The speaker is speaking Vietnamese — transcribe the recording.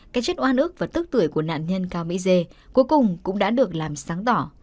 cái chất oan ức và tức tuổi của nạn nhân cao mỹ dê cuối cùng cũng đã được làm sáng tỏ